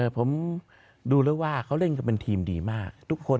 ผมดูแล้วว่าเขาเล่นกันเป็นทีมดีมากทุกคน